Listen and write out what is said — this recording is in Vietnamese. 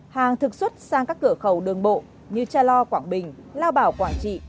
hàng thực xuất sang các cửa khẩu đường bộ như cha lo quảng bình lao bảo quảng trị